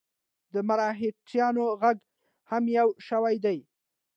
د مرهټیانو ږغ هم یو شوی دی.